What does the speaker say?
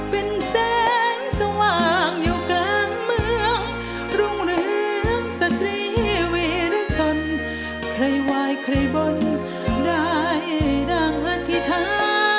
เป็นแสงสว่างอยู่กลางเมืองรุ่งเรืองสตรีเวรุชนใครวายใครบนได้ดังอธิษฐาน